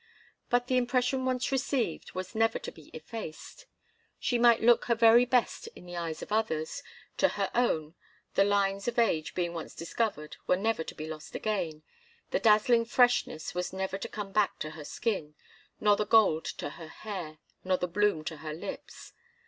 But the impression once received was never to be effaced; she might look her very best in the eyes of others to her own, the lines of age being once discovered were never to be lost again, the dazzling freshness was never to come back to her skin, nor the gold to her hair, nor the bloom to her lips.